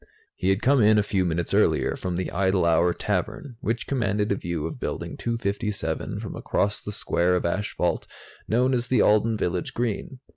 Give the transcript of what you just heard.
He had come in, a few minutes earlier, from the Idle Hour Tavern, which commanded a view of Building 257 from across the square of asphalt known as the Alden Village Green.